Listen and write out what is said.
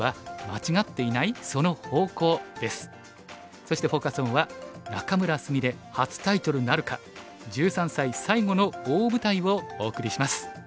そしてフォーカス・オンは「仲邑菫初タイトルなるか１３歳最後の大舞台」をお送りします。